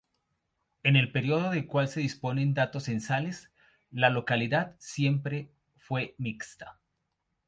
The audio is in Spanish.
En el período del cual se disponen datos censales, la localidad siempre fue mixta.